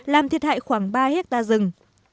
làm thiệt hại khoảng ba hectare rừng